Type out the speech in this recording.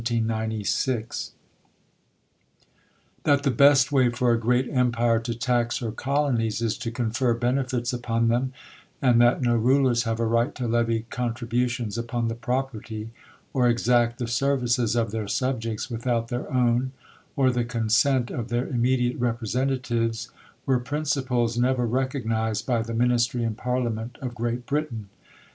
rjpriAT the best v/ay for a great empire to tax her X colonics is to confer benefits upon them, and, that no rulei's have a right to levy contributions upon the propei'ty, or exact the services of their subjects, without their own, or the consent of their immediate representatives, were principles never recognized by the mhiistry and parliament of Great Britain.